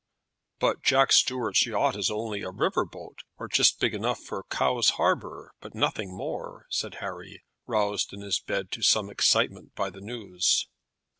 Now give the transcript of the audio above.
"But Jack Stuart's yacht is only a river boat, or just big enough for Cowes harbour, but nothing more," said Harry, roused in his bed to some excitement by the news.